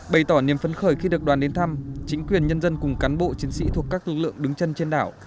bày tỏ niềm phấn khởi khi được đoàn đến thăm chính quyền nhân dân cùng cán bộ chiến sĩ thuộc các tư lượng đứng chân trên đảo